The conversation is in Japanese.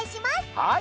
はい！